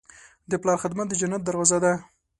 د پلار خدمت د جنت دروازه ده.